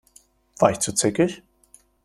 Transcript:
War ich zu zickig?